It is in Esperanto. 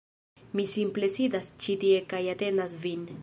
Mi simple sidas ĉi tie kaj atendas vin